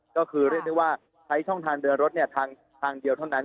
ก็คือเรียกได้ว่าใช้ช่องทางเดินรถทางเดียวเท่านั้น